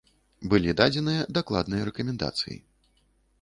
Былі дадзеныя дакладныя рэкамендацыі.